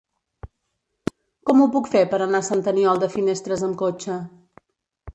Com ho puc fer per anar a Sant Aniol de Finestres amb cotxe?